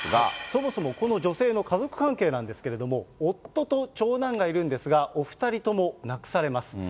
そもそもこの女性の家族関係なんですけれども、夫と長男がいるんですが、お２人とも亡くされます。